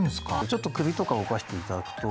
ちょっと首とか動かしていただくと。